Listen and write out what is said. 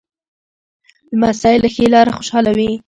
لمسی له ښې لاره خوشحاله وي.